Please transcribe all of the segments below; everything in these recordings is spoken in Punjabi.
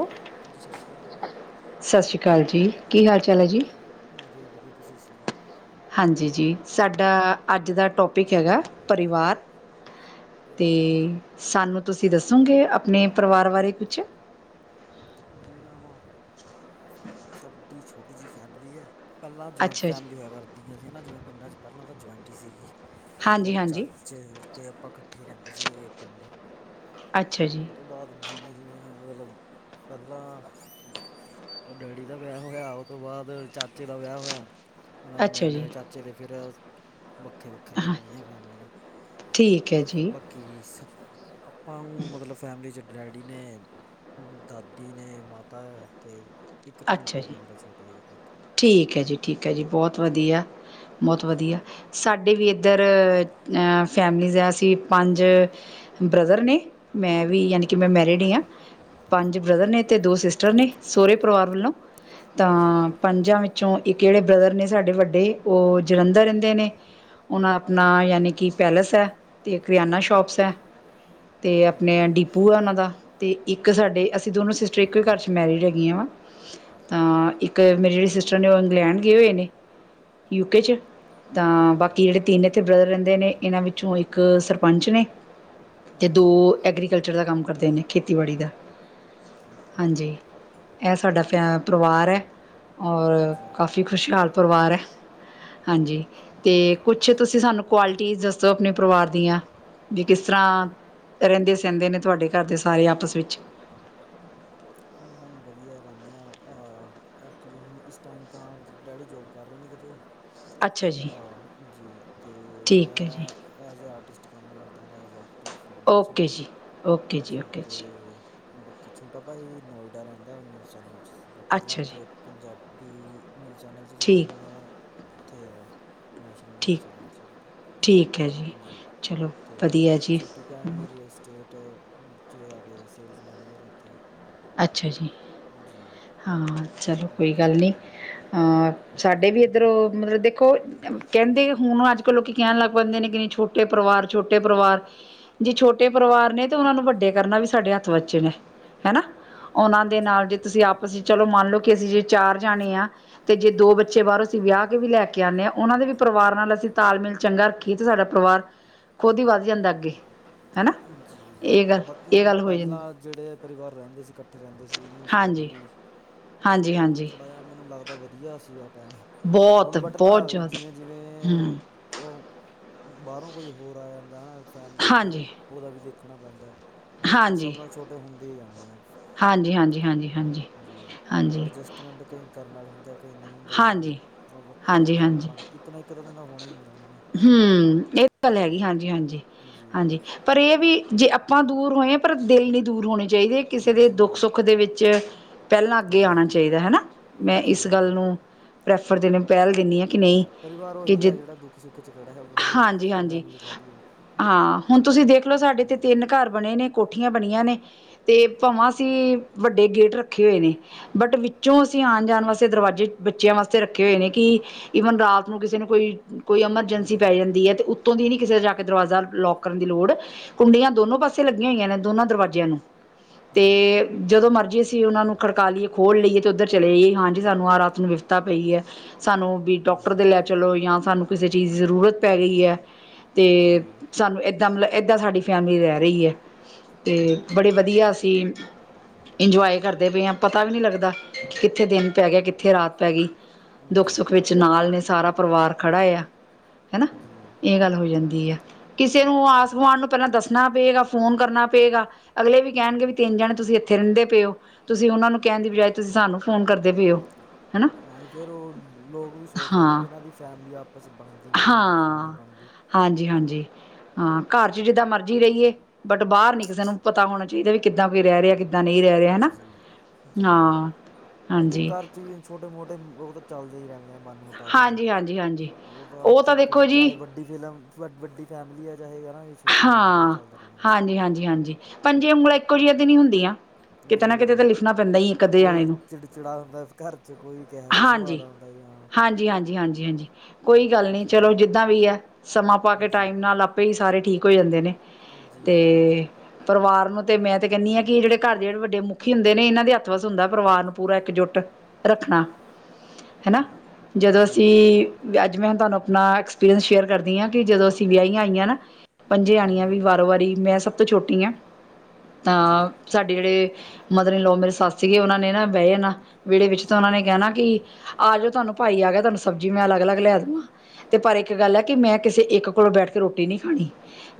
ਹੋ [inaudible] ਹਜੀ [unintelligible] ਸ [inaudible] ਸਤਿ ਸ਼੍ਰੀ ਅਕਾਲ ਜੀ, ਕੀ ਹਾਲ ਚਾਲ ਹੈ ਜੀ। ਵਧੀਆ ਜੀ ਵਧੀਆ, ਤੁਸੀਂ ਦੱਸੋ ਜੀ। ਹਾਂਜੀ ਜੀ, ਸਾਡਾ ਅੱਜ ਦਾ ਟੋਪਿਕ ਹੈਗਾ, ਪਰਿਵਾਰ। ਤੇ ਜੀ ਮੈਮ ਸਾਨੂੰ ਤੁਸੀਂ ਦੱਸੋਗੇ, ਆਪਣੇ ਪਰਿਵਾਰ ਬਾਰੇ ਕੁਛ। ਜੀ ਮੈਮ, ਸਾਡੀ ਛੋਟੀ ਜਿਹੀ ਫੈਮਿਲੀ ਐ। ਪਹਿਲਾਂ ਜੁਆਇੰਟ ਅੱਛਾ ਜੀ ਫੈਮਿਲੀ ਹੋਇਆ ਕਰਦੀਆਂ ਸੀ ਨਾ ਜਿਵੇਂ ਪਿੰਡਾਂ 'ਚ, ਪਹਿਲਾਂ ਤਾਂ ਜੁਆਇੰਟ ਹੀ ਸੀ ਗੀ ਹਾਂਜੀ [unintelligible] ਚਾ ਹਾਂਜੀ ਅਤੇ ਆਪਾਂ ਇਕੱਠੇ ਹੀ ਰਹਿੰਦੇ ਸੀ ਗੇ, ਪਿੰਡ। ਅੱਛਾ ਜੀ। ਉਹ ਤੋਂ ਬਾਅਦ, ਜਿਵੇਂ -ਜਿਵੇਂ ਮਤਲਬ। ਪਹਿਲਾਂ ਡੈਡੀ ਦਾ ਵਿਆਹ ਹੋਇਆ, ਉਹ ਤੋਂ ਬਾਅਦ ਚਾਚੇ ਦਾ ਵਿਆਹ ਹੋਇਆ। ਉਹਨਾਂ ਦੇ ਅੱਛਾ ਨਿਆਣੇ ਜੀ ਹੋਏ, ਚਾਚੇ ਦੇ ਫਿਰ ਵੱਖੇ ਵੱਖ। ਵੱਖਰੀਆਂ ਹੋ ਗਈਆਂ ਫੈਮਲੀਆਂ ਠੀਕ ਹੈ ਜੀ [unintelligible] ਕਿ [unintelligible] ਆਪਾਂ ਨੂੰ ਮਤਲਬ ਫੈਮਿਲੀ 'ਚ ਡੈਡੀ ਨੇ, ਦਾ। ਦੀ ਨੇ ਮਾਤਾ ਅਤੇ ਇੱਕ ਭੈਣ ਅੱਛਾ ਭਾਈ ਜੀ ਆ ਮੇਰਾ ਛੋਟਾ [unintelligible] ਠੀਕ ਹੈ ਜੀ, ਠੀਕ ਹੈ ਜੀ, ਬਹੁਤ ਵਧੀਆ, ਬਹੁਤ ਜੀ ਵਧੀਆ। ਸਾਡੇ ਵੀ ਇੱਧਰ ਫੈਮਲੀਜ਼ ਆ, ਅਸੀਂ ਪੰਜ। ਬ੍ਰਦਰ ਨੇ ਮੈਂ। ਵੀ ਯਾਨੀ ਕਿ ਮੈਂ ਮੈਰਿਡ ਹੀ ਹਾਂ। ਪੰਜ ਓਕੇ ਬ੍ਰਦਰ ਨੇ ਤੇ ਦੋ ਸਿਸਟਰ ਨੇ ਸੋਹੁਰੇ ਪਰਿਵਾਰ ਵੱਲੋਂ। ਜੀ ਤਾਂ ਜੀ ਪੰਜਾਂ ਵਿੱਚ ਚੋਂ ਇੱਕ ਜਿਹੜੇ ਬ੍ਰਦਰ ਨੇ ਸਾਡੇ ਵੱਡੇ ਉਹ ਜਲੰਧਰ ਰਹਿੰਦੇ ਨੇ। ਉਹ ਆਪਣਾ ਯਾਨੀ ਕਿ ਪੈਲੇਸ ਹੈ। ਤੇ ਕਰਿਆਨਾ ਸ਼ੋਪਸ ਹੈ। ਅਤੇ ਆਪਣੇ ਓਕੇ ਡੀਪੂ ਆ ਉਹਨਾਂ ਦਾ। ਅਤੇ ਇੱਕ ਸਾਡੇ ਅਸੀਂ ਦੋਨੋਂ ਸਿਸਟਰ ਇੱਕ ਵੀ ਘਰ 'ਚ ਮੈਰਿਜ ਹੈਗੀਆਂ ਵਾ। ਤਾਂ ਇੱਕ ਮੇਰੇ ਜਿਹੜੇ ਸਿਸਟਰ ਨੇ ਉਹ ਇੰਗਲੈਂਡ ਗਏ ਹੋਏ ਨੇ। ਯੂਕੇ ' ਤਾਂ ਓਕੇ ਬਾਕੀ ਜਿਹੜੇ ਤਿੰਨ ਇੱਥੇ ਬ੍ਰਦਰ ਰਹਿੰਦੇ ਨੇ ਇਹਨਾਂ ਵਿੱਚੋਂ ਇੱਕ ਸਰਪੰਚ ਨੇ। ਅਤੇ ਦੋ ਜੀ ਐਗਰੀਕਲਚਰ ਦਾ ਕੰਮ ਕਰਦੇ ਨੇ ਖੇਤੀਬਾੜੀ ਦਾ। ਸਕਤੇ ਉੱਤੇ ਹਾਂਜੀ ਇਹ ਸਾਡਾ ਫੈ ਪਰਿਵਾਰ ਹੈ, ਔਰ ਜੀ ਕਾਫੀ ਖੁਸ਼ਹਾਲ ਪਰਿਵਾਰ ਹੈ ਕਸ ਹਾਂਜੀ। ਤੇ ਕੁਛ ਤੁਸੀਂ ਸਾਨੂੰ ਕੁਆਲਿਟੀ ਦੱਸੋ ਆਪਣੇ ਪਰਿਵਾਰ ਦੀਆਂ। ਵੀ ਕਿਸ ਤਰ੍ਹਾਂ ਰਹਿੰਦੇ- ਸਹਿੰਦੇ ਨੇ ਤੁਹਾਡੇ ਘਰ ਦੇ ਸਾਰੇ ਆਪਸ ਵਿੱਚ। ਮੈਂ ਵਧੀਆ ਰਹਿੰਦੇ ਹਾਂ, ਐਕਚੁਲੀ ਹੁਣ ਇਸ ਟਾਈਮ ਤਾਂ ਮਤਲਬ ਡੈਡੀ ਜੋ ਕਰ ਰਹੇ ਨ ਕਿਤੇ ਅੱਛਾ ਜੀ ਹਾਂ। ਜੀ, ਤੇ ਠੀਕ ਹੈ ਜੀ ਮੈਂ ਐਜ਼ ਏ ਆਰਟਿਸਟ ਕੰਮ ਕਰਦਾ ਵਾ ਐਜ। ਫਿਲਮਾਂ 'ਚ, ਓਕੇ ਜੀ ਓਕੇ ਜੀ ਓਕੇ ਅਤੇ ਬਾਕੀ ਛੋਟਾ ਭਾ ਜ ਨੋਇਡਾ ਰਹਿੰਦਾ ਉਹ ਨਿਊਜ਼ ਚੈਨਲ 'ਚ ਸੀਗਾ ਪਹਿਲਾਂ ਅੱਛਾ ਜੀ ਇੱਥੇ ਪੰਜਾਬੀ ਨਿਊਜ਼ ਚੈਨਲ 'ਚ ਸੀਗਾ ਠੀਕ ਹੁਣ ਇੱਥੇ ਹੈ, ਨੈਸ਼ਨਲ ਨਿਊਜ਼ ਠੀਕ ਚੈਨਲ ਸੀਗੇ। ਠੀਕ ਹੈ ਜੀ। ਚਲੋ ਤੇ ਵਧੀਆ ਜੀ ਛੋਟੀ ਭੈਣ ਵੀ ਰਸ ਸਟੇਟ, 'ਚ ਆ ਦੇ ਸੇਲਸ ਮੈਨੇਜਰ ਹੈ ਉੱਥੇ। ਅੱਛਾ ਜੀ। ਜੀ ਹਾਂ, ਚਲੋ ਕੋਈ ਬਾਕੀ ਗੱਲ ਨਹੀਂ। ਸਾਡੇ ਵੀ ਇੱਧਰੋਂ ਮਤਲਬ ਦੇਖ ਦੇਖੋ ਕਹਿੰਦੇ ਹੁਣ ਅੱਜ ਕੱਲ੍ਹ ਲੋਕ ਕਹਿਣ ਲੱਗ ਪੈਂਦੇ ਨੇ ਕਿ ਨਹੀਂ ਛੋਟੇ ਪਰਿਵਾਰ, ਛੋਟੇ ਪਰਿਵਾਰ। ਜੇ ਛੋਟੇ ਪਰਿਵਾਰ ਨੇ ਤੇ ਉਹਨਾਂ ਨੂੰ ਵੱਡੇ ਕਰਨਾ ਵੀ ਸਾਡੇ ਹੱਥ ਬੱਚੇ ਨੇ ਹਨਾ। ਉਹਨਾਂ ਦੇ ਜੀ ਨਾਲ ਜੇ ਤੁਸੀਂ ਆਪਸ ਚ' ਚਲੋ ਮੰਨ ਲਓ ਕਿ ਅਸੀਂ ਜੇ ਚਾਰ ਜਾਣੇ ਆ। ਤੇ ਜੇ ਦੋ ਬੱਚੇ ਬਾਹਰੋਂ ਅਸੀਂ ਵਿਆਹ ਕੇ ਵੀ ਲੈ ਕੇ ਆਉਂਦੇ ਹਾਂ ਉਹਨਾਂ ਦੇ ਵੀ ਪਰਿਵਾਰ ਨਾਲ ਅਸੀਂ ਤਾਲਮੇਲ ਚੰਗਾ ਰੱਖਾ ਤੇ ਸਾਡਾ ਪਰਿਵਾਰ ਖੁਦ ਹੀ ਵਾ ਜਾਂਦਾ ਅੱਗੇ। ਹਨਾ, ਜੀ ਜੀ ਇਹ ਗੱਲ ਬਾਕੀ ਇਹ ਮੈਂ ਗੱਲ ਹੋ ਜਾਂਦੀ। ਪਹਿਲਾਂ ਜਿਹੜੇ ਪਰਿਵਾਰ ਰਹਿੰਦੇ ਸੀ। ਇਕੱਠੇ ਰਹਿੰਦੇ ਸੀ ਉਹ ਸੀਗਾ ਨਾ ਹਾਂਜੀ ਵੀ, ਹਾਂਜੀ ਉਹ ਹਾਂਜੀ ਥੋੜ੍ਹਾ ਜਿਹਾ ਮੈਨੂੰ ਲੱਗਦਾ ਵਧੀਆ ਸੀਗਾ ਟਾਈਮ। ਬਹੁਤ ਹੁਣ ਬਟ ਦਾ ਬਹੁਤ ਜ਼ਿਆਦਾ ਜਿਵੇਂ -ਜਿਵੇਂ ਹਮ ਉਹ ਬਾਹਰੋਂ ਕੋਈ ਹੋਰ ਆ ਜਾਂਦਾ ਹੈ ਨਾ ਫੈਮਿਲੀ 'ਚ ਫਿਰ ਹਾਂਜੀ ਉਹਦਾ ਵੀ ਦੇਖਣਾ ਪੈਂਦਾ। ਸਭ ਹਾਂਜੀ ਨਾਲ ਛੋਟੇ ਹੁੰਦੇ ਹੀ ਜਾਂਦੇ ਹਾਂ। ਹਾਂਜੀ- ਹਾਂਜੀ- ਹਾਂਜੀ- ਹਾਂਜੀ- ਹਾਂਜੀ। ਟ ਕਈ ਕਰਨ ਵਾਲੇ ਹੁੰਦੇ ਕਈ ਨਹੀਂ ਹੁੰਦਾ ਤਾਂ ਫਿਰ ਹਾਂਜੀ ਵੱਖਰਾ- ਹਾਂਜੀ ਵੱਖਰਾ ਹਾਂਜੀ ਹੋਣਾ। ਇੱਕ ਨਾ ਇੱਕ ਦਿਨ ਦਾ ਹੋਣਾ ਹੀ ਹੁੰਦਾ। ਉਹਨਾਂ ਨੇ ਹੂ, ਇਹ ਗੱਲ ਹੈਗੀ। ਜੀ ਹਾਂਜੀ- ਹਾਂਜੀ ਜੀ ਹਾਂਜੀ। ਪਰ ਇਹ ਵੀ, ਜੇ ਆਪਾਂ ਦੂਰ ਹੋਏ ਹਾਂ ਪਰ ਦਿਲ ਨ ਦੂਰ ਹੋਣੇ। ਚਾਹੀਦੇ ਜੀ ਕਿਸੇ ਦੇ ਦੁੱਖ- ਸੁੱਖ ਦੇ ਵਿੱਚ ਪਹਿਲਾਂ ਅੱਗੇ ਆਉਣਾ ਜੀ ਚਾਹੀਦਾ ਹੈਨਾ, ਮੈਂ ਜੀ ਇਸ ਜੀ ਗੱਲ ਨੂੰ, ਪ੍ਰੈਫਰ ਪਹਿਲ ਦਿੰਦੀ ਹਾਂ ਕਿ ਨਹੀਂ। ਜੀ ਪਰਿਵਾਰ ਕਿ ਉਹੀ ਆ ਜੇ ਜਿਹੜਾ ਦੁੱਖ- ਸੁੱਖ ਚ' ਖਹੜਾ ਹੈ ਉੰਨੀ ਦਾ ਹਾਂਜੀ ਹਾਂਜੀ ਫੈਮਿਲੀ ਕਾਹਦੀ ਈ ਉਹ। ਹਾਂ। ਹੁਣ ਤੁਸੀਂ ਦੇਖ ਲੋ ਸਾਡੇ ਤੇ ਤਿੰਨ ਘਰ ਬਣੇ ਨੇ, ਕੋਠੀਆਂ ਬਣੀਆਂ ਨੇ, ਤੇ ਭਵਾਂ ਅਸੀਂ ਵੱਡੇ ਗੇਟ ਰੱਖੇ ਹੋਏ ਨੇ। ਬਟ ਵਿੱਚੋਂ ਅਸੀਂ ਆਉਣ ਜਾਣ ਵਾਸਤੇ ਦਰਵਾਜ਼ੇ ਬੱਚਿਆਂ ਵਾਸਤੇ ਰੱਖੇ ਹੋਏ ਨੇ ਕਿ, ਈਵਨ ਰਾਤ ਨੂੰ ਕਿਸੇ ਨੇ ਕੋਈ- ਕੋਈ ਐਮਰਜੈਂਸੀ ਪੈ ਹੂੰ ਜਾਂਦੀ ਹੈ ਤੇ ਉੱਤੋਂ ਦੀ ਹੀ ਨਹੀਂ ਕਿਸੇ ਜਾ ਕੇ ਦਰਵਾਜ਼ਾ ਲੋੌਕ ਕਰਨ ਦੀ ਲੋੜ, ਕੁੰਡੀਆਂ ਦੋਨੋ ਪਾਸੇ ਲੱਗੀਆਂ ਹੋਈਆਂ ਨੇ, ਦੋਨਾਂ ਦਰਵਾਜ਼ਿਆਂ ਨੂੰ ਤੇ ਜੀ ਜੀ ਜਦੋਂ ਮਰਜੀ ਅਸੀ ਉਹਨਾਂ ਨੂੰ ਖੜਕਾ ਲਈਏ, ਖੋਲ੍ਹ ਲਈਏ ਅਤੇ ਉੱਧਰ ਚਲੇ ਜਾਈਏ, ਹਾਂਜੀ, ਸਾਨੂੰ ਆਹ ਰਾਤ ਨੂੰ ਵਿਫਤਾ ਪਈ ਹੈ ਸਾਨੂੰ ਵੀ ਹੂੰ ਡਾਕਟਰ ਦੇ ਲੈ ਹੂੰ ਚਲੋਜਾਂ ਸਾਨੂੰ ਕਿਸੇ ਚੀਜ਼ ਦੀ ਜ਼ਰੂਰਤ ਪੈ ਗਈ ਹੈ ਅਤੇ ਜੀ ਸਾਨੂੰ ਇੱਦਾਂ ਮਤਲਬ ਇੱਦਾਂ ਸਾਡੀ ਫੈਮਿਲੀ ਰਹਿ ਰਹੀ ਹੈ, ਅਤੇ ਬੜੇ ਠੀਕ ਹੈ ਵਧੀਆ ਅਸੀਂ ਇੰਜੋਏ ਕਰਦੇ ਪਏ ਆ, ਪਤਾ ਵੀ ਨਹੀਂ ਲੱਗਦਾ, ਕਿੱਥੇ ਦਿਨ ਪੈ ਗਿਆ, ਕਿੱਥੇ ਰਾਤ ਪੈ ਗਈ। ਜੀ ਹਾਂ ਦੁੱਖ ਸੁੱਖ ਵਿੱਚ ਨਾਲ ਨੇ, ਸਾਰਾ ਪਰਿਵਾਰ ਖੜਾ ਆ, ਹਨਾ। ਜੀ ਹਾਂਜੀ ਇਹ ਗੱਲ ਹੋ ਜਾਂਦੀ ਹੈ, ਕਿਸੇ ਨੂੰ ਆਸ ਗੁਆਂਢ ਨੂੰ ਪਹਿਲਾਂ ਦੱਸਣਾ ਪਏਗਾ, ਫੋਨ ਕਰਨਾ ਪਏਗਾ। ਅਗਲੇ ਵੀ, ਕਹਿਣਗੇ ਵੀ ਤਿੰਨ ਜਾਣੇ ਤੁਸੀਂ ਇੱਥੇ ਰਹਿੰਦੇ ਪਏ ਹੋ। ਤੁਸੀਂ ਉਹਨਾ ਨੂੰ ਕਹਿਣ ਦੀ ਬਜਾਏ, ਤੁਸੀਂ ਸਾਨੂੰ ਫੋਨ ਕਰਦੇ ਪਏ ਹੋ। ਹਨਾ ਹਾਂ, ਫਿਰ ਉਹ ਲੋਕ ਵੀ ਸੋਚਦੇ ਨੇ, ਵੀ ਹਾਂ ਇਹਨਾਂ ਦੀ ਫੈਮਿਲੀ ਆਪਸ ਬਣਦੀ। ਨਹੀਂ ਇਹਨਾਂ ਦੀ ਕਿਉਂ ਹਾਂ, ਨਹੀਂ ਬਣਦੀ ਹਾਂਜੀ -ਹਾਂਜੀ। ਹਾਂ ਘਰ ਚ ਜਿੱਦਾਂ ਮਰਜ਼ੀ ਰਹੀਏ, ਬਟ ਬਾਹਰ ਨੀ ਕਿਸੇ ਨੂੰ ਪਤਾ ਹੋਣਾ ਚਾਹੀਦਾ, ਵੀ ਕਿੱਦਾਂ ਕੋਈ ਰਹਿ ਰਿਹਾ ਕਿ। ਇਦਾਂ ਨਹੀਂ ਰਹਿ ਰਿਹਾ ਹਨਾ ਹਾਂ। ਬਾਲਕੀ ਹਾਂਜੀ ਘਰ ਚ ਵੀ ਛੋਟੇ ਮੋਟੇ ਉਹ ਤਾਂ ਚੱਲਦੇ ਹੀ ਰਹਿੰਦੇ ਆ ਮਨ ਮਟਾਵ ਜੇ, ਹਾਂਜੀ ਹਾਂਜੀ ਹਾਂਜੀ ਉਹਦਾ ਉਹ ਚ ਤਾਂ ਦੇਖੋ ਜੀ ਚਾਹੇ ਵੱਡੀ ਫਿਲਮ ਵ ਵੱਡੀ ਫੈਮਿਲੀ ਹੈ, ਚਾਹੇ ਯਾਰ ਛੋਟੀ ਫੈਮਿਲੀ ਹੈ। ਹਾਂ, ਚੱਲਦੇ ਰਹਿਣਗੇ। ਹਾਂਜੀ -ਹਾਂਜੀ -ਹਾਂਜੀ। ਪੰਜੇ, ਉਂਗਲਾਂ ਇੱਕੋ ਜਹੀਆਂ ਤੇ ਨਹੀ ਹੁੰਦੀਆਂ। ਜੀ, ਕਿਤੇ ਨਾ ਕਿਤੇ ਤਾਂ ਜੀ ਲਿਖਣਾ ਪੈਂਦਾ ਹੀ ਇੱਕ ਅੱਧੇ ਜਾਣੇ ਕੋਈ ਨੂੰ ਚਿੜਚਿੜਾ ਹੁੰਦਾ, ਘਰ ਚ ਕੋਈ ਕਿਹੋ ਜਿਹੇ ਸੁਭਾਅ ਹਾਂਜੀ, ਦਾ ਹੁੰ ਆ ਹਾਂਜੀ -ਹਾਂਜੀ -ਹਾਂਜੀ -ਹਾਂਜੀ ਕੋਈ ਗੱਲ ਨਹੀਂ ਜੀ ਚਲੋ, ਜਿੱਦਾਂ ਵੀ ਹੈ, ਸਮਾਂ ਪਾ ਕੇ ਜੀ ਟਾਈਮ ਨਾਲ ਆਪ ਭਈ ਸਾਰੇ ਠੀਕ ਹੋ ਜਾਂਦੇ ਨੇ ਤੇ ਪਰਿਵਾਰ ਨੂੰ ਤੇ ਮੈਂ ਤੇ ਕਹਿੰਦੀ ਹਾਂ, ਕਿ ਜਿਹੜੇ ਘਰ ਦੇ ਜਿਹੜੇ ਵੱਡੇ ਮੁਖੀ ਹੁੰਦੇ ਨੇ, ਇਹਨਾਂ ਦੇ ਹੱਥ ਵਸ ਹੁੰਦਾ ਪਰਿਵਾਰ ਨੂੰ ਪੂਰਾ ਇੱਕ ਜੁੱਟ। ਰੱਖਣਾ। ਹੈਨਾ ਜਦੋਂ ਅਸੀਂ ਵੀ ਅੱਜ, ਮੈਂ ਤੁਹਾਨੂੰ ਆਪਣਾ ਐਕਸਪੀਰੀਅੰਸ ਸ਼ੇਅਰ ਕਰਦੀ ਹਾਂ, ਕਿ ਜਦੋਂ ਅਸੀਂ ਵਆਈਆਂ ਆਈਆਂ ਨਾ ਪੰਜੇ ਆਣੀਆਂ ਵੀ ਵਾਰੋਂ ਵਾਰੀ ਮੈਂ ਸਭ ਤੋਂ ਛੋਟੀ ਹਾਂ, ਤਾਂ ਸਾਡੇ ਜਿਹੜੇ ਮਦਰ ਇਨ ਲੋ ਮੇਰੇ ਸੱਸ ਸੀਗੇ, ਉਹਨਾਂ ਨੇ ਨਾ ਬੈ ਜਾਨਾ, ਵਿਹੜੇ ਵਿੱਚ ਤਾਂ ਉਹਨਾਂ ਨੇ ਕਹਿਣਾ ਕਿ ਆ ਜਾਓ ਤੁਹਾਨੂੰ ਭਾਈ ਆ ਗਿਆ, ਤੁਹਾਨੂੰ ਸਬਜ਼ੀ ਮੈਂ ਅਲੱਗ ਅਲੱਗ ਲੈ ਦਵਾਂ। ਤੇ ਪਰ ਇੱਕ ਗੱਲ ਹੈ, ਕਿ ਮੈਂ ਕਿਸੇ ਇੱਕ ਕੋਲੋਂ ਬੈਠ ਕੇ ਰੋਟੀ ਨੀ ਖਾਣੀ।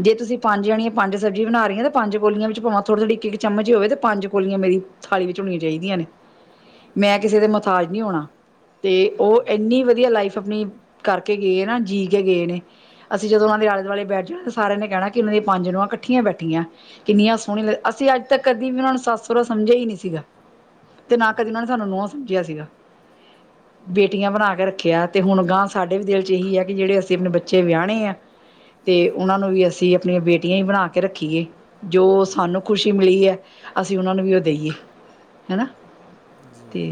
ਜੇ ਤੁਸੀਂ ਪੰਜ ਜਾਣੀਆਂ, ਪੰਜ ਸਬਜ਼ੀ ਬਣਾ ਰਹੀਆਂ, ਤੇ ਪੰਜ ਕੋਲੀਆਂ ਵਿੱਚ ਪਾਵਾਂ ਥੋੜ੍ਹੀ -ਥੋੜ੍ਹੀ ਇੱਕ ਇੱਕ ਚਮਚ ਹੀ ਹੋਵੇ, ਤਾਂ ਪੰਜ ਕੋਲੀਆਂ ਮੇਰੀ। ਥਾਲੀ ਵਿਚ ਹੋਣੀਆਂ ਚਾਹੀਦੀਆਂ ਨੇ। ਮੈਂ ਕਿਸੇ ਦੇ ਮਥਾਜ ਨਹੀਂ ਹੋਣਾ, ਤੇ ਉਹ ਇਨੀ ਵਧੀਆ ਲਾਈਫ ਆਪਣੀ ਕਰਕੇ ਗਏ ਨਾ, ਜੀ ਕੇ ਗਏ ਨੇ, ਅਸੀਂ ਜਦੋਂ ਉਹਨਾਂ ਦੇ ਆਲੇ ਦੁਆਲੇ ਬੈਠ ਜਾ ਸਾਰਿਆਂ ਨੇ ਕਹਿਣਾ, ਕਿ ਮੇਰੀਆਂ ਪੰਜ ਨੋਆਂ ਇਕੱਠੀਆਂ, ਬੈਠੀਆਂ। ਕਿੰਨੀਆਂ ਸੋਹਣੀਆਂ, ਲ ਅਸੀਂ ਅੱਜ ਤੱਕ ਕਦੀ ਵੀ ਉਹਨਾਂ ਨੂੰ ਸਾੱਸ ਸੋਰਾ ਸਮਝਿਆ ਹੀ ਨਹੀਂ ਸੀਗਾ। ਤੇ, ਨਾ ਕਦੀ ਉਹਨਾਂ ਨੇ ਸਾਨੂੰ ਨੋਹਾਂ ਸਮਝਿਆ ਸੀਗਾ। ਬੇਟੀਆਂ ਬਣਾ ਕੇ ਰੱਖਿਆ, ਤੇ ਹੁਣ ਗਾਂ ਸਾਡੇ ਵੀ ਦਿਲ ਚ ਇਹੀ ਹੈ, ਕਿ ਜਿਹੜੇ ਅਸੀਂ ਆਪਣੇ ਬੱਚੇ ਵਿਆਹਣੇ ਐ ਤੇ ਉਹਨਾਂ ਨੂੰ ਵੀ, ਅਸੀਂ ਆਪਣੀਆਂ ਬੇਟੀਆਂ ਹੀ, ਬਣਾ ਕੇ ਰੱਖੀਏ ਜੋ ਸਾਨੂੰ ਖੁਸ਼ ਮਿਲੀ ਏ। ਅਸੀਂ ਉਹਨਾਂ ਨੂੰ ਵੀ ਉਹ ਦਈਏ ਹੈ, ਹੈਨਾ, ਜੀ ਤੇ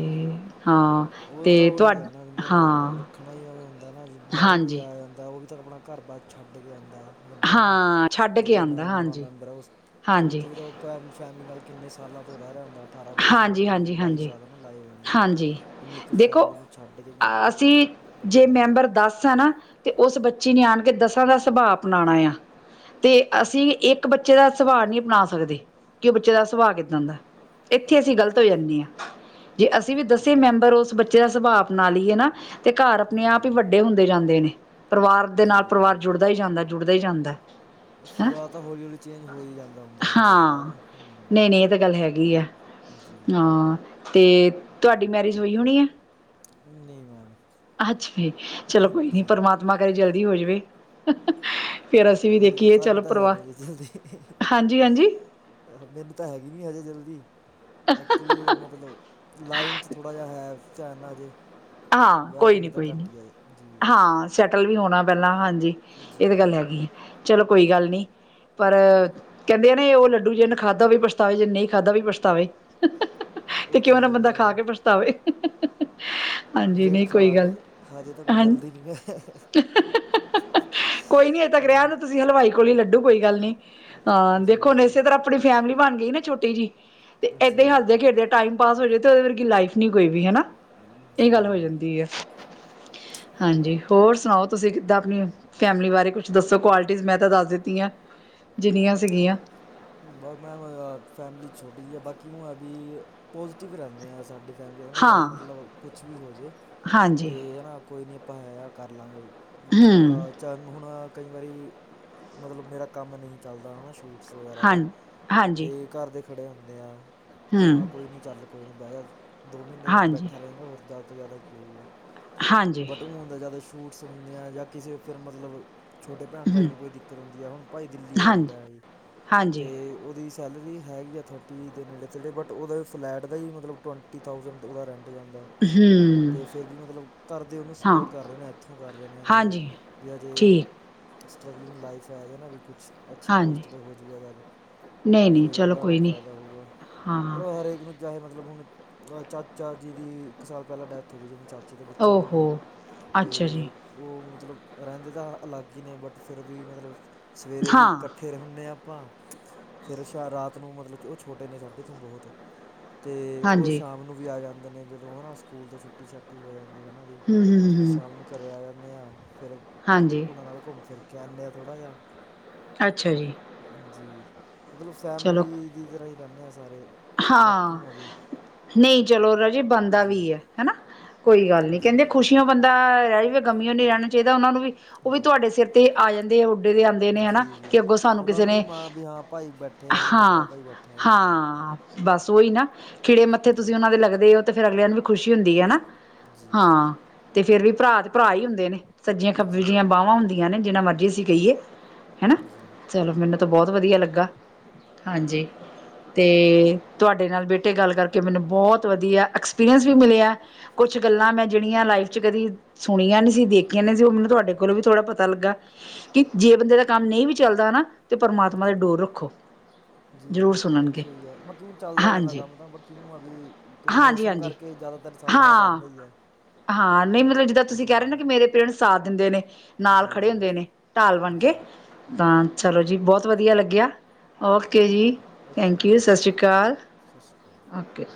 ਹਾਂ। ਉਹ ਤੇ ਤਾਂ ਤੁਹਾ ਉਹੀ ਹੈ ਨਾ, [unintelligible] ਮਤਲਬ ਹਾਂ ਰੱਖਣਾ ਹੀ, ਐਵੇ ਹੁੰਦਾ ਨਾ ਜੀ ਬਾਹਰੋਂ ਕੋਈ ਹਾਂਜੀ ਆ ਜਾਂਦਾ ਉਹ ਵੀ। ਤੇ, ਆਪਣਾ ਘਰ ਬਾਰ ਛੱਡ ਕੇ ਆਦਾਂ ਹੈ। ਬੰਦਾ ਹੈ ਨਾ, ਹਾਂ ਛੱਡ ਜੇ ਕੇ ਕੋਈਂ ਨ ਆਉਂਦਾ ਨਵਾਂ ਹਾਂਜੀ ਮੈਂਬਰ ਹੈ, ਉਸ ਹਾਂਜੀ ਉੱਥੇ ਵੀ ਤਾਂ ਉਹ ਫੈਮਲੀ ਸ਼ਹਿਮਲੀ ਨਾਲ ਕਿੰਨੇ ਸਾਲਾਂ ਤੋਂ ਰਹਿ ਰਿਹਾ ਹੁੰਦਾ, ਅਠਾਰਾਂ ਵੀ ਸਾਲ ਹਾਂਜੀ ਜਿੰਨੇ ਹਾਂਜੀ ਬਾਈ ਹਾਂਜੀ ਸਾਲ ਹੈ ਨਾ ਲਾਏ ਹੋਏ ਹੋਦੇਂ ਏ। ਹਾਂਜੀ ਉਹਨੂੰ ਇੱਕ ਦੇਖੋ ਫੈਮਿਲੀ ਨੂੰ ਛੱਡ ਕੇ ਇੱਕ ਨਵੀਂ ਜਗ੍ਹਾ ਆਉਣਾ ਵੱਡੀ ਗੱਲ ਹੈ। ਦੱਸ ਆ ਨਾ? ਤੇ ਉਸ ਬੱਚੀ ਨੇ ਆਣ ਕੇ ਦਸਾਂ ਦਾ ਸੁਭਾਅ ਅਪਣਾਉਣਾ ਆ। ਤੇ ਅਸੀਂ ਇੱਕ ਬੱਚੇ ਦਾ ਸੁਭਾਅ ਨਹੀਂ ਅਪਣਾ ਸਕਦੇ, ਕਿ ਉਹ ਬੱਚੇ ਦਾ ਸੁਭਾਅ ਕਿੱਦਾਂ ਦੈਂ। ਇੱਥੇ ਅਸੀਂ ਗ਼ਲਤ ਹੋ ਜਾਂਣੇ ਹਾਂ। ਜੇ ਅਸੀਂ ਵੀ ਦਸੇ ਜੀ ਮੈਂਬਰ ਉਸ ਬੱਚੇ ਦਾ ਸੁਭਾਅ ਅਪਣਾ ਲਈਏ ਨਾ ਤੇ ਘਰ ਆਪਣੇ ਜੀ ਆਪ ਹੀ ਵੱਡੇ ਹੁੰਦੇ ਜਾਂਦੇ ਨੇ। ਪਰਿਵਾਰ ਦੇ ਜੀ ਨਾਲ ਜੀ ਪਰਿਵਾਰ ਜੁੜ ਦਾ ਹੀ ਜਾਂਦਾ ਹੈ-ਜੁੜਦਾ ਹੀ ਜਾਂਦਾ ਹੈ। ਹੈਂ? ਸੁਭਾਅ ਤਾਂ ਹੌਲੀ ਹੌਲੀ ਚੇਂਜ ਹੋ ਹੀ ਜਾਂਦਾ ਹੁੰਦਾ ਹਰੇਕ ਦਾ ਹਾਂ, ਨਾ ਹੂੰ, ਨਹੀਂ-ਨਹੀਂ। ਇਹ ਤਾਂ ਗੱਲ ਹੈਗੀ ਆ। ਜੀ ਹਾਂ, ਤੇ ਤੁਹਾਡੀ ਮੈਰਿਜ਼ ਹੋਈ ਹੋਣੀ ਹੈ? ਨਹੀਂ ਮੈਮ ਅੱਛਾ ਜੀ। ਚਲੋ ਕੋਈ ਨੀ, ਜੀ ਪਰਮਾਤਮਾ ਕਰੇ ਜਲਦੀ ਹੋ ਜਵੇ। ਫੇਰ ਅਸੀਂ ਵੀ ਹਜੇ ਤਾਂ ਦੇਖੀਏ। ਚੱਲ ਸਾਨੂੰ ਤਾਂ ਹੈ ਪਰਵਾ, ਨਹੀਂ ਹਜੇ ਜਲਦੀ ਹਾਂਜੀ-ਹਾਂਜੀ ਮੈਨੂੰ ਤਾਂ ਹੈਗੀ ਨੀ ਹਜੇ ਜਲਦੀ। ਐਕਚੁਲੀ ਮਤਲਬ ਲਾਈਨ ਚ ਥੋੜਾ ਜਿਹਾ ਹੈ [unintelligible] ਹਜੇ। ਹਾਂ, ਵਿਆਹ ਕੋਈ ਕਰਨੀ ਤਾਂ ਨੀ-ਕੋਈ ਨੀ। ਘੱਟ ਹੀ ਹੈ ਜੀ ਹਾਂ ਸੈਟਲ ਵੀ ਹੋਣਾ ਪਹਿਲਾਂ। ਹਾਂਜੀ ਜੀ ਇਹ ਤਾਂ ਗੱਲ ਜੀ ਹੈਗੀ ਹੈ। ਚਲੋ ਕੋਈ ਗੱਲ ਨਹੀਂ, ਪਰ ਕਹਿੰਦੇ ਨੇ ਉਹ ਲੱਡੂ ਜਿਹਨੇ ਖਾਧਾ ਓ ਵੀ ਪਛਤਾਵੇ, ਜਿਹਨੇ ਨਹੀਂ ਖਾਧਾ ਓ ਵੀ ਪਛਤਾਵੇ। ਤੇ ਉਹ ਤਾਂ ਕਿਉਂ ਹੈ ਨਾ ਹੀ ਬੰਦਾ ਆ ਖਾ ਕੇ ਮੈਮ ਪਛਤਾਵੇ। ਹਹਹਹ। ਲੇਟ ਖਾ ਲਾਂਗੇ। ਹਜੇ ਤਾਂ ਕੋਈ ਹਾਂ ਜਲਦੀ ਨਹੀਂ ਹੈ। ਕੋਈ ਨੀ [unintelligible] ਤੱਕ ਰਿਹਾ ਤੁਸੀਂ ਹਲਵਾਈ ਕੋਲ ਹੀ ਲੱਡੂ ਕੋਈ ਗੱਲ ਨੀ। ਹਾਂ ਦੇਖੋ ਹੁਣ ਜੀ ਇਸੇ ਤਰ੍ਹਾਂ ਆਪਣੀ ਫੈਮਿਲੀ ਬਣ ਗਈ ਨਾ ਛੋਟੀ ਜਹੀ, ਤੇ ਏਦਾਂ ਹੀ ਜੀ ਹੱਸਦੇ ਖੇਡਦੇ ਟਾਈਮ ਪਾਸ ਹੋ ਜਾਵੇ ਤੇ ਉਹਦੇ ਵਰਗੀ ਲਾਈਫ ਨਹੀਂ ਕੋਈ ਵੀ। ਹੈਨਾ। ਜੀ ਇਹ ਗੱਲ ਹੋ ਮੈਮ ਜਾਂਦੀ ਏ। ਹਾਂਜੀ, ਹੋਰ ਸੁਣਾਓ ਤੁਸੀਂ ਕਿੱਦਾਂ ਆਪਣੀ ਫੈਮਿਲੀ ਬਾਰੇ ਕੁੱਛ ਦੱਸੋ ਕੁਆਲਿਟੀਜ਼। ਮੈਂ ਤਾਂ ਦੱਸ ਦਿੱਤੀਆਂ, ਜਿੰਨੀਆਂ ਸੀਗੀਆਂ। ਬਸ ਮੈਮ ਏ-ਅ-ਫੈਮਿਲੀ ਛੋਟੀ ਜਹੀ ਆ। ਬਾਕੀ ਉ-ਏ-ਬੀ ਪੋਜ਼ੀਟਿਵ ਰਹਿੰਦੇ ਹਾਂ ਸਾਡੇ ਫੈਮਲੀ ਨਾ ਚਾਹੇ ਹਾਂ ਮਤਲਬ ਕੁੱਛ ਵੀ ਹੋ ਜਾਵੇ, ਹਾਂਜੀ ਤੇ ਨਾ ਕੋਈ ਨਹੀਂ ਆਪਾਂ ਹੈ ਆ ਕਰ ਲਵਾਂਗੇ। ਹੂੰ ਅਹ ਚਾਣ ਹੁਣ ਕਈ ਵਾਰੀ, ਮਤਲਬ ਮੇਰਾ ਕੰਮ ਨਹੀਂ ਚੱਲਦਾ ਹਨਾ ਸ਼ੂਟ ਸ ਵਗੈਰਾ ਹਾਂ ਦਾ, ਹਾਂਜੀ ਤੇ ਘਰ ਦੇ ਖੜੇ ਹੁੰਦੇ ਆ, ਤੇ ਹਾਂ ਹੂੰ ਕੋਈ ਨਹੀਂ ਚੱਲ ਕੋਈ ਨਹੀਂ ਬੈ ਜਾ। ਦੋ ਮਹੀਨੇ ਹਾਂਜੀ ਬੈਠਾ ਰਹਿਗਾਂ, ਹੋਰ ਜ਼ਿਆਦਾ ਤੋਂ ਜ਼ਿਆਦਾ ਕਿ ਹੋਉਗਾ? ਹਾਂਜੀ ਬਟ ਹੁਣ ਤਾਂ ਜ਼ਿਆਦਾ ਸ਼ੂਟਸ ਹੁੰਣੇ ਆ, ਜਾਂ ਕਿਸੇ ਫਿਰ ਮਤਲਬ ਛੋਟੇ ਭੈਣ ਭਾਈ ਹੂੰ ਨੂੰ ਕੋਈ ਦਿੱਕਤ ਹੁੰਦੀ ਹੈ। ਹੁਣ ਭਾਈ ਦਿੱਲੀ ਉਹ ਹਾਂਜੀ ਰਹਿੰਦਾ ਹੈ, ਹਾਂਜੀ ਤੇ ਉਹਦੀ ਸੈਲਰੀ ਹੈਗੀ ਆ ਥਰਟੀ ਦੇ ਨੇੜੇ ਤੇੜੇ, ਬਟ ਓਦਾ ਫਲੈਟ ਦਾ ਈ ਮਤਲਬ ਟਵੰਟੀ ਥਾਊਸੈਂਡ ਓਦਾ ਰੈਂਟ ਜਾਂਦਾ ਹੇ। ਹੂੰ। ਤੇ ਫੇਰ ਵੀ ਮਤਲਬ ਘਰਦੇ ਓਨੂੰ ਹਾਂ ਸਪੋਰਟ ਕਰ ਰੇ ਨੇ। ਏਥੋਂ ਕਰ ਰਹੇ ਨੇ ਹਨਾ ਅਜੇ। ਹਾਂਜੀ ਵੀ ਅਜੇ ਠੀਕ ਸਟਰਗਲਿੰਗ ਲਾਈਫ ਐ। ਅਜੇ ਨਾ ਵੀ ਕੁਛ ਅੱਛੀ ਹਾਂਜੀ ਪੋਸਟ ਤੇ ਹੋਜੂਗਾ ਜਦ। ਨਹੀਂ ਨਹੀਂ ਫੇਰ ਚਲੋ ਓਦਾ ਨਾ ਕੋਈ ਨਹੀਂ ਫੈਦਾ ਹੋਊਗਾ। ਹਾਂ ਚਲੋ ਹਰੇਕ ਨੂੰ ਚਾਹੇ ਮਤਲਬ ਹੁਣ, ਚਾਚਾ ਜੀ ਦੀ ਇੱਕ ਸਾਲ ਪੈਲਾਂ ਡੈਥ ਥੋਡੇ ਜਿਵੇਂ ਚਾਚੇ ਦੇ ਬੱਚੇ ਵੀ ਓਹੋ ਨੇ, ਅੱਛਾ ਜੀ ਤੇ ਓ ਮਤਲਬ ਰੈਂਦੇ ਤਾਂ ਅਲੱਗ ਈ ਨੇ। ਬਟ ਫੇਰ ਵੀ ਮਤਲਬ ਸਵੇਰੇ ਹਾਂ ਵੀ ਫਿਰ ਹੁੰਨੇ ਆਂ ਆਪਾਂ। ਫੇਰ ਸ਼-ਰਾਤ ਨੂੰ ਮਤਲਬ, ਓ ਛੋਟੇ ਨੇ ਸਾਡੇ ਤੋਂ ਬਹੁਤ। ਤੇ ਓ ਹਾਂਜੀ ਸ਼ਾਮ ਨੂੰ ਵੀ ਆ ਜਾਂਦੇ ਨੇ, ਜਦੋਂ ਹਨਾ ਸਕੂਲ ਤੋਂ ਛੁੱਟੀ ਛੁਟੀ-ਛਾਟੀ ਹੋ ਜਾਂਦੀ ਹਨਾਂ ਬ‌ਈ। ਹੂੰ ਹੂੰ ਹੂੰ ਫ ਹੂੰ, ਸ਼ਾਮ ਨੂੰ ਘਰੇ ਆ ਜਾਂਨੇ ਆਂ ਫੇਰ ਹਾਂਜੀ ਓਨਾਂ ਨਾਲ ਘੁੰਮ ਫਿਰ ਕੇ ਆਨੇ ਆ ਥੋੜ੍ਹਾ ਜਿਆ। ਅੱਛਾ ਜੀ। ਹਾਂਜੀ। ਮਤਲਬ ਚਲੋ ਫੈਮਲੀ ਦੀ ਤਰ੍ਹਾਂ ਈ ਰੈਣੇ ਆਂ ਸਾਰੇ। ਬਾਕੀ ਹਾਂ ਨੂੰ ਵੀ ਨਈ ਚਲੋ ਰਾਜੇ ਬਣਦਾ ਜੀ ਵੀ ਐ ਹੈਨਾ। ਕੋਈ ਗੱਲ ਨੀ ਕਹਦੇ ਜੀ ਖੁਸ਼ੀ- ਸੀ ਓ ਬੰਦਾ ਰੈਜਵੇ, ਗਮੀਓ ਨੀ ਰੈਣਾ ਚਾਈਦਾ। ਓਨਾਂ ਨੂੰ ਵੀ- ਓ ਵੀ ਜੀ ਤੁਆਡੇ ਸਿਰ ਤੇ ਆ ਜਾਂਦੇ ਉੱਡੇ ਦੇ ਆਂਦੇ ਨੇ ਹੈਨਾ, ਜੀ ਜੀ ਕਿ ਅੱਗੋਂ ਸਾਨੂੰ ਉਹਨਾਂ ਕਿਸੇ ਨੂੰ ਵੀ ਨੇ- ਮਾਣ ਵੀ ਹਾਂ ਭਾਈ ਬੈਠੇ ਆ ਵੱਡਾ ਹਾਂ- ਭਾਈ ਬੈਠਾ ਹੈ ਜੀ ਹਾਂ ਬਸ ਔਈ ਨਾ ਖਿੜੇ ਮੱਥੇ ਤੁਸੀਂ ਜੀ ਓਨਾ ਦੇ ਲੱਗਦੇ ਔ, ਤੇ ਫੇਰ ਅਗਲਿਆਂ ਨੂੰ ਵੀ- ਖੁਸ਼ੀ ਹੁੰਦੀ ਹੈ ਨਾ, ਜੀ ਹਾਂ ਤੇ ਫੇਰ ਵੀ ਭਰਾ ਤੇ ਭਰਾ ਈ ਹੁੰਦੇ ਨੇ। ਸੱਜੀਆਂ ਖੱਬੇ ਜੀ ਦੀਆਂ ਬਾਵਾਂ ਹੁੰਦੀਆਂ ਨੇ, ਜਿਨਾ ਮਰਜੀ ਅਸੀਂ ਕ‌ਈਏ ਹੈਨਾ। ਜੀ ਚਲੋ ਮੈਨੂੰ ਤਾਂ ਬੋਤ ਵਧੀਆ ਲੱਗਾ ਹਾਂਜੀ, ਤੇ ਤੁਆਡੇ ਨਾਲ ਬੇਟੇ ਗੱਲ ਕਰਕੇ ਮੈਨੂੰ ਬੋਤ ਵਧੀਆ ਐਕਸਪੀਰੀਅੰਸ ਵੀ ਮਿਲਿਆ। ਕੁਛ ਗੱਲਾਂ ਮੈਂ ਜੇੜੀਆਂ ਲਾਈਫ 'ਚ ਕਦੀ ਸੁਣੀਆਂ ਨੀ ਸੀ, ਦੇਖੀਆਂ ਨੀ ਸੀ, ਓ ਮੈਨੂੰ ਤੁਆਡੇ ਕੋਲੋਂ ਵੀ ਥੋੜ੍ਹਾ ਪਤਾ ਲੱਗਾ। ਕੀ ਜੇ ਬੰਦੇ ਦਾ ਕੰਮ ਨਈ ਵੀ ਚੱਲਦਾ ਨਾ- ਤੇ ਪਰਮਾਤਮਾ ਤੇ ਜੀ ਡੋਰ ਰੱਖੋ, ਜ਼ਰੂਰ ਸੁਣਨਗੇ। ਮਤਲਬ। ਚੱਲਦਾ ਰੈਂਦਾ ਹਾਂਜੀ ਕੰਮ ਤਾਂ ਬਾਕੀ ਇਉਂ ਆ ਵੀ ਹਾਂਜੀ ਮੌਸਮ ਹਾਂਜੀ ਕਰਕੇ ਜਾਦਾਤਰ ਸਾਡਾ ਹਾਂ ਰੈਂਦਾ ਈ ਆ। ਹਾਂ, ਨਈ ਮਤਲਬ ਜਿੱਦਾਂ ਤੁਸੀਂ ਕੈ ਰੇ ਨਾ ਕਿ ਮੇਰੇ ਪੇਰੈਂਟ ਸਾਥ ਦਿੰਦੇ ਨੇ, ਨਾਲ ਖੜੇ ਜੀ ਹੁੰਦੇ ਨੇ ਢਾਲ ਬਣ ਜੀ ਕੇ। ਜੀ ਤਾਂ, ਚਲੋ ਜੀ ਬਹੁਤ ਵਧੀਆ ਲੱਗਿਆ, ਓਕੇ ਜੀ। Okay madam call okay